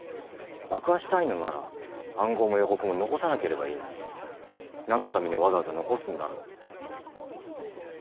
爆破したいのなら暗号も予告も残さなければいいのに何のためにわざわざ残すんだろうって。